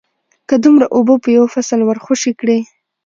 که دومره اوبه په یو فصل ورخوشې کړې